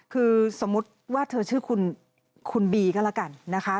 คือสมมุติว่าเธอชื่อคุณบีก็แล้วกันนะคะ